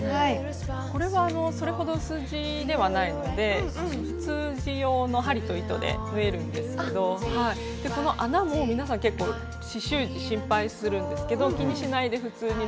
これはそれほど薄地ではないので普通地用の針と糸で縫えるんですけどこの穴も皆さん結構刺しゅう地心配するんですけど気にしないで普通に縫って頂けますね。